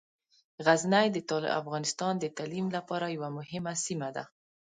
غزني د افغانستان د تعلیم لپاره یوه مهمه سیمه ده.